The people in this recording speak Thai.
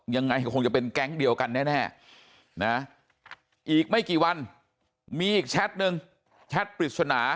ยังไงก็คงจะเป็นแก๊งเดียวกันแน่นะอีกไม่กี่วันมีอีกแชทหนึ่งแชทปริศนา